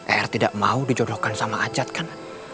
er tidak mau dijodohkan sama ajat kan